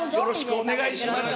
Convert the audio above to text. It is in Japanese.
お願いいたします。